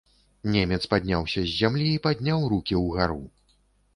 Немец падняўся з зямлі і падняў рукі ўгару.